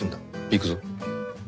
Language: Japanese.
行くぞ。